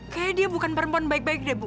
kayaknya dia bukan perempuan baik baik deh bu